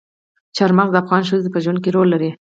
چار مغز د افغان ښځو په ژوند کې رول لري.